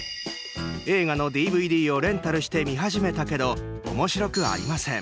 映画のＤＶＤをレンタルして見始めたけど面白くありません。